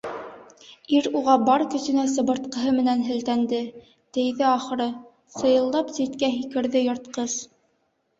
Ир уға бар көсөнә сыбыртҡыһы менән һелтәнде, тейҙе, ахыры, сыйылдап ситкә һикерҙе йыртҡыс.